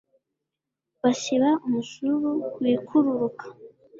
basiba umusururu wikururuka-